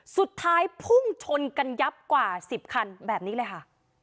สุดท้ายพุ่งชนกันยับกว่า๑๐คันแบบนี้เลยค่ะ